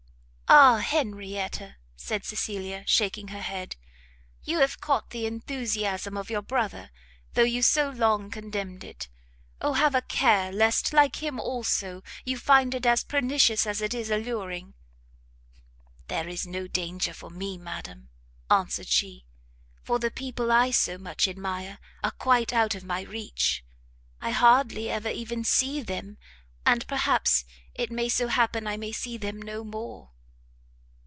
"Ah Henrietta!" said Cecilia, shaking her head, "you have caught the enthusiasm of your brother, though you so long condemned it! Oh have a care lest, like him also, you find it as pernicious as it is alluring!" "There, is no danger for me, madam," answered she, "for the people I so much admire are quite out of my reach. I hardly ever even see them; and perhaps it may so happen I may see them no more!"